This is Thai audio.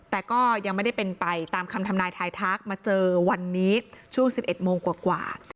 แต่ก็ยังไม่ได้เป็นไปตามคำทำนายทายทักมาเจอวันนี้ช่วง๑๑โมงกว่า